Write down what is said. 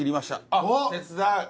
あっ手伝う。